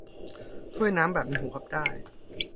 ถ้วยน้ำแบบมีหูพับได้